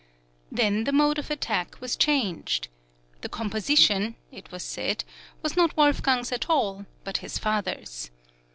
Then the mode of attack was changed. The composition, it was said, was not Wolfgang's at all, but his father's.